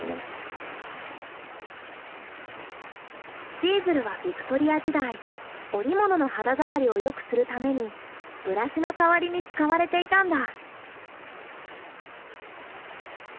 チーズルはビクトリア時代織物の肌触りをよくするためにブラシの代わりに使われていたんだ。